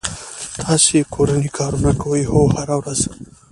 تاسو کورنی کارونه کوئ؟ هو، هره ورځ